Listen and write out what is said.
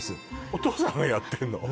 お父さんがやってんの？